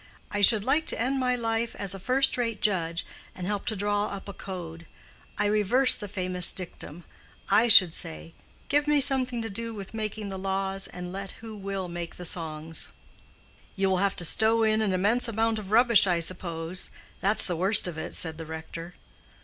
"I should like to end my life as a first rate judge, and help to draw up a code. I reverse the famous dictum. I should say, 'Give me something to do with making the laws, and let who will make the songs.'" "You will have to stow in an immense amount of rubbish, I suppose—that's the worst of it," said the rector.